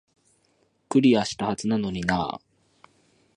クリアしたはずなのになー